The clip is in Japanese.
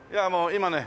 今ね